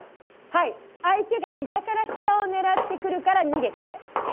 はい相手が膝から下を狙ってくるから逃げて。